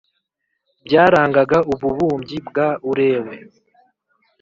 byarangaga ububumbyi bwa Urewe